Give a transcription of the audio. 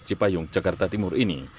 cipayung jakarta timur ini